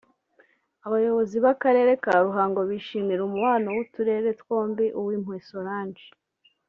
Abayobozi b’Akarere ka Ruhango bishimira umubano w’uturere twombi Uwimpuhwe Solange